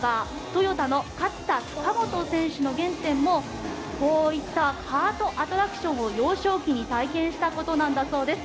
トヨタの勝田貴元選手の原点もこういったカートアトラクションを幼少期に体験したことなんだそうです。